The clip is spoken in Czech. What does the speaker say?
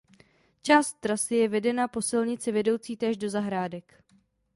Část trasy je vedena po silnici vedoucí též do Zahrádek.